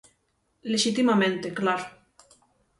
Lexitimamente, claro.